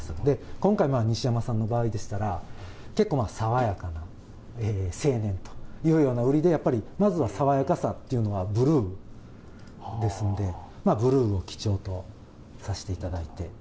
今回、西山さんの場合でしたら、結構爽やかな青年というような売りで、やっぱりまずは爽やかさっていうのはブルーですんで、ブルーを基調とさせていただいて。